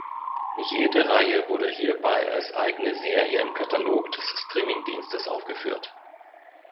Jede Reihe wurde hierbei als eigene Serie im Katalog des Streamingdienstes aufgeführt.